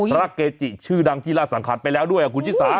เกจิชื่อดังที่ราชสังขารไปแล้วด้วยคุณชิสา